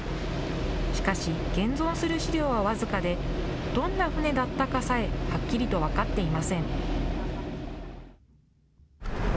しかし、現存する資料は僅かで、どんな船だったかさえはっきりと分かっていません。